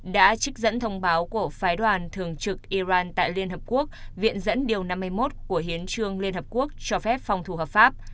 đã trích dẫn thông báo của phái đoàn thường trực iran tại liên hợp quốc viện dẫn điều năm mươi một của hiến trương liên hợp quốc cho phép phòng thủ hợp pháp